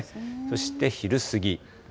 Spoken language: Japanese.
そして昼過ぎ。